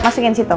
masukin di situ